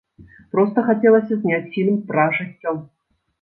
Проста хацелася зняць фільм пра жыццё.